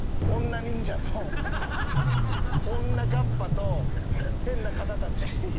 女忍者と女ガッパと変な方たち。